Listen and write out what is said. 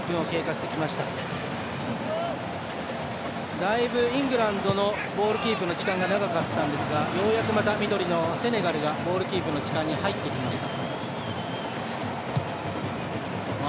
だいぶ、イングランドのボールキープの時間が長かったんですがようやく緑のセネガルがボールキープの時間に入ってきました。